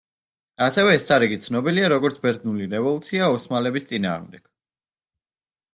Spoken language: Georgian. ასევე, ეს თარიღი ცნობილია, როგორც „ბერძნული რევულუცია“ ოსმალების წინააღმდეგ.